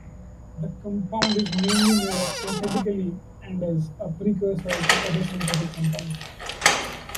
The compound is mainly made synthetically and is a precursor to other synthetic compounds.